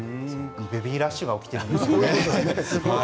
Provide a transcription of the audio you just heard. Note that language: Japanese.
ベビーラッシュが起きているんですよね。